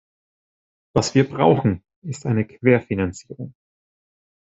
Was wir brauchen, ist eine Querfinanzierung.